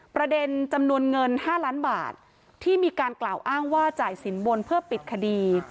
ประเด็นจำนวนเงิน๕ล้านบาทที่มีการกล่าวอ้างว่าจ่ายสินบนเพื่อปิดคดี